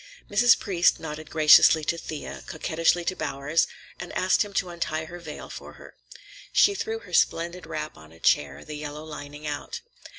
Mrs. Priest nodded graciously to Thea, coquettishly to Bowers, and asked him to untie her veil for her. She threw her splendid wrap on a chair, the yellow lining out.